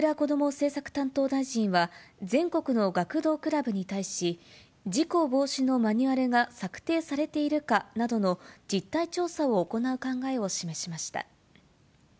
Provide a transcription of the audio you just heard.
政策担当大臣は、全国の学童クラブに対し、事故防止のマニュアルが策定されているかなどの実態調査を行う考えを示しました。